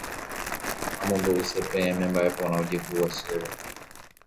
Amombe'use peẽme mba'eporã ojehúva chéve.